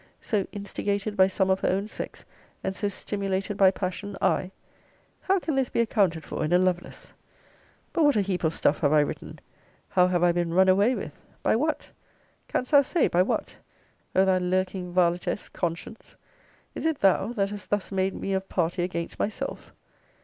so instigated by some of her own sex, and so stimulated by passion I! How can this be accounted for in a Lovelace! But what a heap of stuff have I written! How have I been run away with! By what? Canst thou say by what? O thou lurking varletess CONSCIENCE! Is it thou that hast thus made me of party against myself?